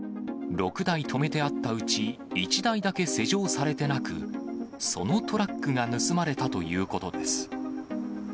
６台止めてあったうち、１台だけ施錠されてなく、そのトラックが盗まれたということです。